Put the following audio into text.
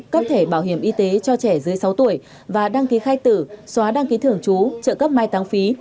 cấp thể bảo hiểm y tế cho trẻ dưới sáu tuổi và đăng ký khai tử xóa đăng ký thưởng chú trợ cấp mai tăng phí